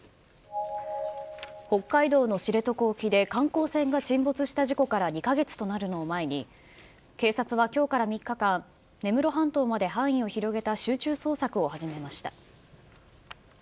北海道の知床沖で観光船が沈没した事故から２か月となるのを前に、警察はきょうから３日間、根室半島まで範囲を広げた集中捜索を始めました。